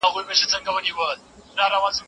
علمي تګلارې په سياست کې بريا راوړي.